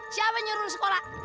siapa nyuruh sekolah